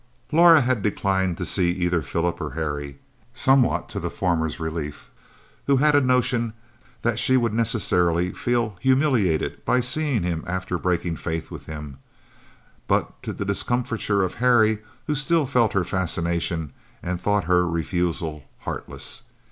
Laura had declined to see either Philip or Harry, somewhat to the former's relief, who had a notion that she would necessarily feel humiliated by seeing him after breaking faith with him, but to the discomfiture of Harry, who still felt her fascination, and thought her refusal heartless.